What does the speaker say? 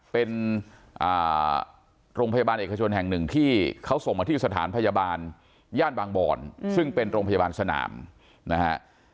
เป็นโรงพยาบาลเอกชนแห่งหนึ่งที่เขาส่งมาที่สถานพยาบาลย่านบางบ่อนซึ่งเป็นโรงพยาบาลสนามนะฮะ